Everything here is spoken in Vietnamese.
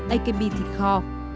akb thì khó